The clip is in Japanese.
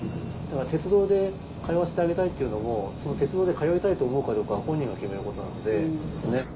だから鉄道で通わせてあげたいっていうのも鉄道で通いたいと思うかどうかは本人が決めることなので。